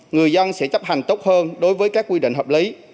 người dân sẽ chấp hành tốt hơn đối với các quy định hợp lý